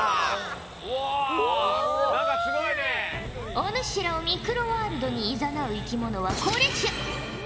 お主らをミクロワールドにいざなう生き物はこれじゃ。